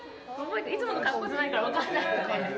いつもの格好じゃないから、分かんないよね。